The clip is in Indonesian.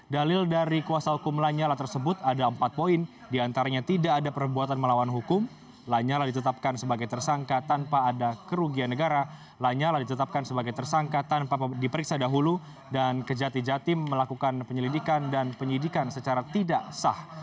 dalil dari kuasa hukum lanyala tersebut ada empat poin diantaranya tidak ada perbuatan melawan hukum lanyala ditetapkan sebagai tersangka tanpa ada kerugian negara lanyala ditetapkan sebagai tersangka tanpa diperiksa dahulu dan kejati jatim melakukan penyelidikan dan penyidikan secara tidak sah